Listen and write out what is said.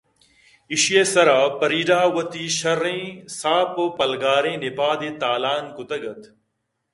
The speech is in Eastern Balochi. ایشیءِ سرا فریڈاءَ وتی شرّیں ساپ ءُپلگاریں نپادے تا لان کُتگ اَت